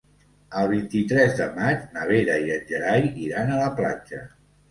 El vint-i-tres de maig na Vera i en Gerai iran a la platja.